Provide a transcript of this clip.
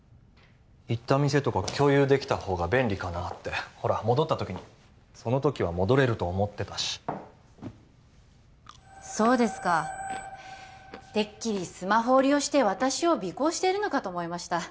行った店とか共有できた方が便利かなあってほら戻った時にその時は戻れると思ってたしそうですかてっきりスマホを利用して私を尾行しているのかと思いました